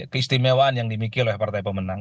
keistimewaan yang dimiliki oleh partai pemenang